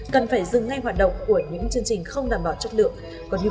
cần phải dừng ngay hoạt động của những chương trình không đảm bảo chất lượng